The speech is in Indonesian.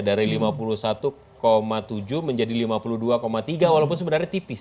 dari lima puluh satu tujuh menjadi lima puluh dua tiga walaupun sebenarnya tipis